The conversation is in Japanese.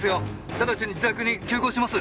直ちに自宅に急行します！